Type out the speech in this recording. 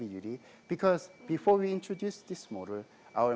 karena sebelum kami memperkenalkan model ini